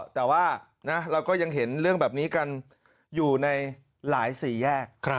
แต่ว่าเราก็ยังเห็นเรื่องแบบนี้กันอยู่ในหลายสี่แยก